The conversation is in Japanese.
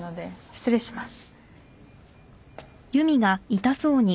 失礼します。